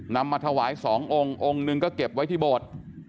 มาถวาย๒องค์องค์หนึ่งก็เก็บไว้ที่โบสถ์